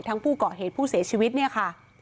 ทั้งผู้ก่อเหตุผู้เสียชีวิตเนี่ยค่ะ